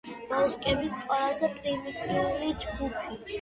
მოლუსკების ყველაზე პრიმიტიული ჯგუფი.